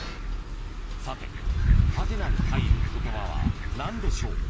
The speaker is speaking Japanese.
［さてハテナに入る言葉は何でしょう？］